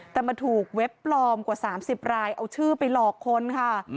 แต่มาถูกเว็บปลอมกว่า๓๐รายเอาชื่อไปหลอกคนค่ะ